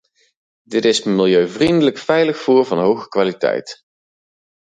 Dit is milieuvriendelijk, veilig voer van hoge kwaliteit.